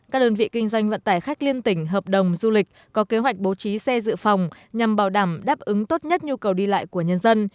các đơn vị kinh doanh vận tải khách liên tỉnh hợp đồng du lịch có kế hoạch bố trí xe dự phòng nhằm bảo đảm đáp ứng tốt nhất nhu cầu đi lại của nhân dân